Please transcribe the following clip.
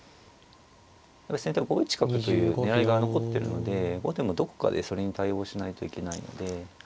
先手は５一角という狙いが残ってるので後手もどこかでそれに対応しないといけないので。